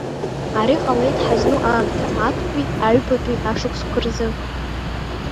Ари ҟалеит ҳазну аамҭа актәи аҩбатәи ашәышықәсқәа рзы.